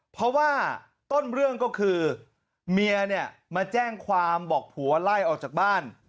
เพราะว่าต้นเรื่องก็คือเมียเนี่ยมาแจ้งความบอกผัวไล่ออกจากบ้าน